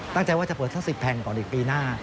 ตั้งใจว่าจะเปิดสัก๑๐แห่งก่อนอีกปีหน้า